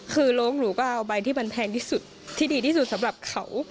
คือโรงหนูก็เอาใบที่มันแพงที่สุดที่ดีที่สุดสำหรับเขา